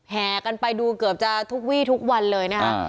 แห่กันไปดูเกือบจะทุกวี่ทุกวันเลยนะคะ